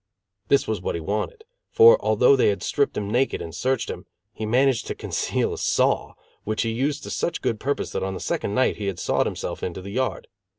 This was what he wanted, for, although they had stripped him naked and searched him, he managed to conceal a saw, which he used to such good purpose that on the second night he had sawed himself into the yard.